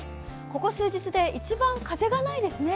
ここ数日で一番風がないですね。